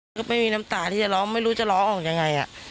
แล้วก็ไม่มีน้ำตาที่จะร้องไม่รู้จะร้องออกยังไง